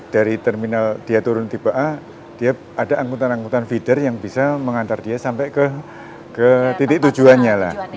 dari terminal dia turun tipe a dia ada angkutan angkutan feeder yang bisa mengantar dia sampai ke titik tujuannya lah